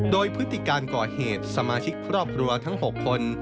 โดยพฤติการก่อเหตุสมาชิกครอบครัวทั้ง๖คน